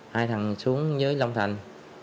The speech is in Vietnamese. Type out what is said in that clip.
hai thằng xuống dưới long thành